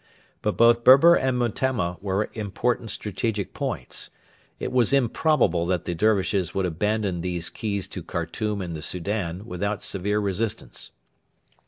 But both Berber and Metemma were important strategic points. It was improbable that the Dervishes would abandon these keys to Khartoum and the Soudan without severe resistance.